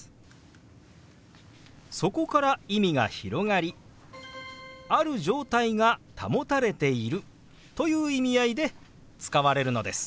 そこから意味が広がりある状態が保たれているという意味合いで使われるのです。